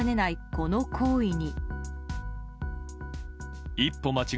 この行為に。